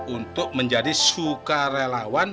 untuk menjadi sukarelawan